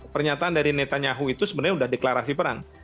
pernyataan dari netanyahu itu sebenarnya sudah deklarasi perang